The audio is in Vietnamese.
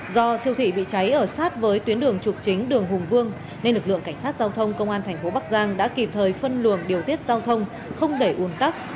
do siêu thị bị cháy ở sát với tuyến đường trục chính đường hùng vương nên lực lượng cảnh sát giao thông công an thành phố bắc giang đã kịp thời phân luồng điều tiết giao thông không để uốn tắc